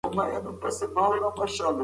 ستا لمونځ به قبول شي که نه؟